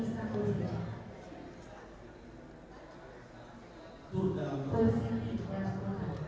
waktu di istana bu tidak ada